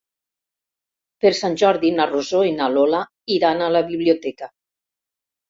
Per Sant Jordi na Rosó i na Lola iran a la biblioteca.